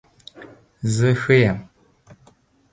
زه ښه یم